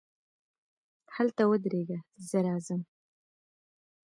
هلته ودرېږه، زه راځم.